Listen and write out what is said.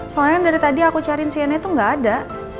soalnya dari tadi aku cariin sienna tuh gak ada